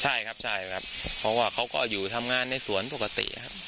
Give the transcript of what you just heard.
ใช่ครับใช่ครับเพราะว่าเขาก็อยู่ทำงานในสวนปกติครับ